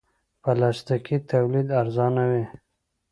پلاستيکي تولید ارزانه وي.